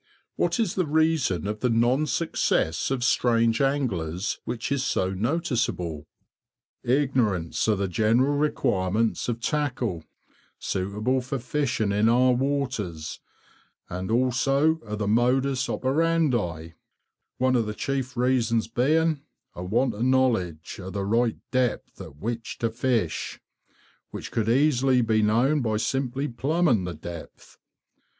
What is the reason of the non success of strange anglers which is so noticeable_? Ignorance of the general requirements of tackle suitable for fishing in our waters, and also of the modus operandi, one of the chief reasons being a want of knowledge of the right depth at which to fish, which could easily be known by simply "plumbing" the depth.